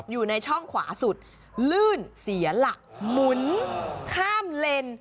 อยู่ในช่องขวาสุดลื่นเสียหลักหมุนข้ามเลน